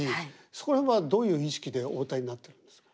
そこら辺はどういう意識でお歌いになってるんですか？